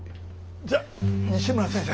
じゃ西村先生。